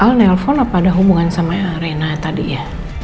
al nelpon apa ada hubungan sama reina tadi ya